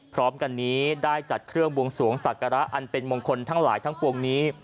พร้อมกันนี้ได้จัดเครื่องบวงสวงศักระอันเป็นมงคลทั้งหลายทั้งปวงนี้